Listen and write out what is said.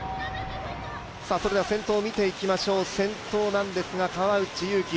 それでは先頭を見ていきましょう、先頭なんですが、川内優輝。